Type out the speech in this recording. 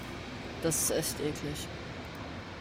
Das ist echt eklig.